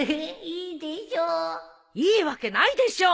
いいわけないでしょ！